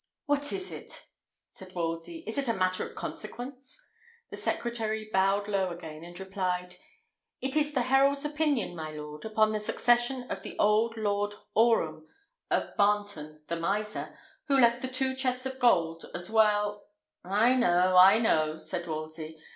"What is it?" said Wolsey; "is it matter of consequence?" The secretary bowed low again, and replied, "It is the herald's opinion, my lord, upon the succession of the old Lord Orham of Barneton, the miser, who left the two chests of gold, as well " "I know, I know!" said Wolsey.